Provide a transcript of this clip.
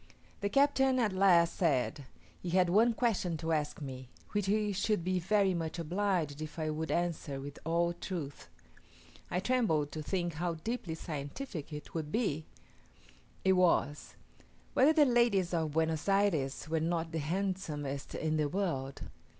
The captain at last said, he had one question to ask me, which he should be very much obliged if I would answer with all truth. I trembled to think how deeply scientific it would be: it was, "Whether the ladies of Buenos Ayres were not the handsomest in the world."